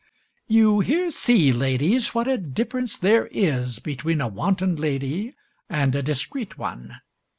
"You here see, ladies, what a difference there is between a wanton lady and a discreet one.